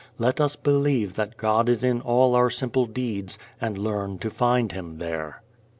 Let us believe that God is in all our simple deeds and learn to find Him there.